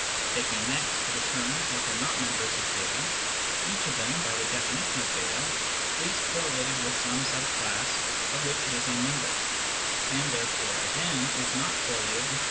Taking next the terms which are not members of B, each of them (by the definition of jS) is correlated with some sub class of which it is a member, and therefore again is not correlated with B.